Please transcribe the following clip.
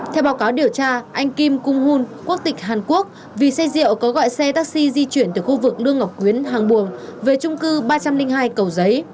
theo báo cáo điều tra anh kim kung hun quốc tịch hàn quốc vì xe rượu có gọi xe taxi di chuyển từ khu vực đương ngọc quyến hàng buồng về trung cư ba trăm linh hai cầu giấy